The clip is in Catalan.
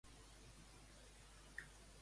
A què es refereix "Nyx"?